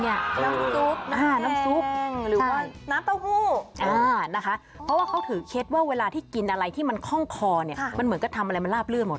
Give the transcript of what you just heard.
ใช่นะคะเพราะว่าเขาถือเคล็ดว่าเวลาที่กินอะไรที่มันคล่องคอเนี่ยมันเหมือนกับทำอะไรมันลาบเลือดหมด